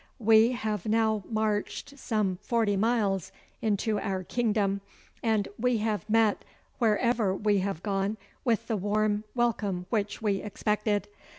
We have now marched some forty miles into our kingdom, and we have met wherever we have gone with the warm welcome which we expected.